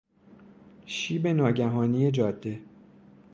شیب ناگهانی جاده